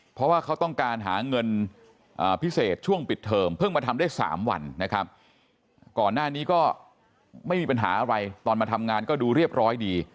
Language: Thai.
เพราะว่าเขาต้องการหาเงินพิเศษช่วงปิดเทิมเพิ่งมาทำได้๓วันนะครับก่อนหน้านี้ก็ไม่มีปัญหาอะไรตอนมาทำงานก็ดูเรียบร้อยดี